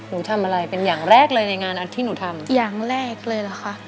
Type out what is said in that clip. ผมทำอะไรเป็นอย่างแรกเลยในงานอาทิตย์นุท่ามอย่างแรกเลยละคะ